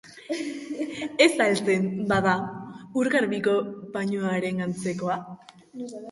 Ez al zen, bada, ur garbiko bainuaren antzekoa?